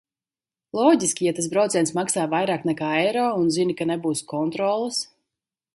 Loģiski, ja tas brauciens maksā vairāk nekā eiro un zini, ka nebūs kontroles...